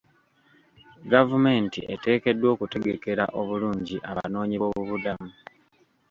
Gavumenti eteekeddwa okutegekera obulungi abanoonyi b'obubuddamu.